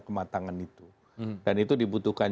kematangan itu dan itu dibutuhkan